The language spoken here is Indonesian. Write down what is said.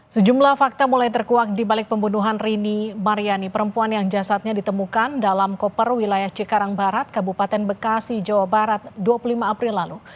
sejumlah fakta mulai terkuak di balik pembunuhan rini mariani perempuan yang jasadnya ditemukan dalam koper wilayah cikarang barat kabupaten bekasi jawa barat dua puluh lima april lalu